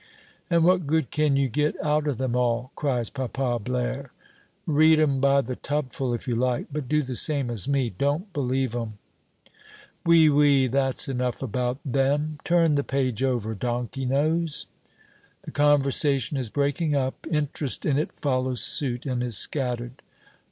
"And what good can you get out of them all?" cries Papa Blaire. "Read 'em by the tubful if you like, but do the same as me don't believe 'em!" "Oui, oui, that's enough about them. Turn the page over, donkey nose." The conversation is breaking up; interest in it follows suit and is scattered.